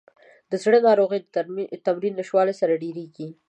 د زړه ناروغۍ د تمرین نشتوالي سره ډېریږي.